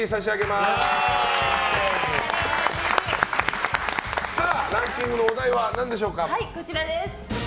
では、ランキングのお題は何でしょうか？